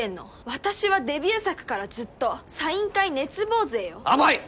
私はデビュー作からずっとサイン会熱望勢よ甘い！